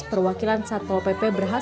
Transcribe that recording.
perwakilan satpol pp berhasil menutup tugas